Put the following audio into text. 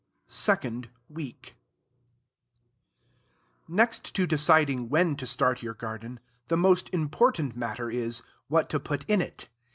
SECOND WEEK Next to deciding when to start your garden, the most important matter is, what to put in it.